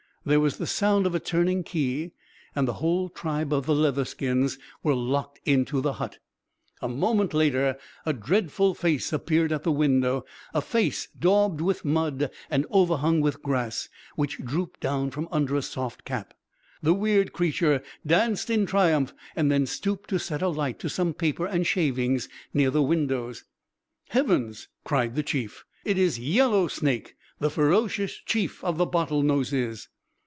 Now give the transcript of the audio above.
There was the sound of a turning key and the whole tribe of the Leatherskins was locked into the hut. A moment later a dreadful face appeared at the window, a face daubed with mud and overhung with grass, which drooped down from under a soft cap. The weird creature danced in triumph, and then stooped to set a light to some paper and shavings near the window. "Heavens!" cried the Chief. "It is Yellow Snake, the ferocious Chief of the Bottlenoses!"